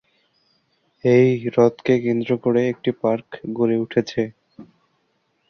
এই হ্রদকে কেন্দ্র করে একটি পার্ক গড়ে উঠেছে।